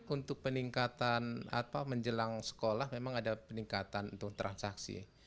untuk peningkatan menjelang sekolah memang ada peningkatan untuk transaksi